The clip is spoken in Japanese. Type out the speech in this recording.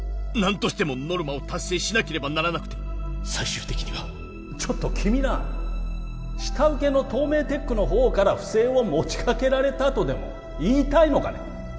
何としてもノルマを達成しなければならなくて最終的にはちょっと君なあ下請けのトーメイテックの方から不正を持ちかけられたとでも言いたいのかね？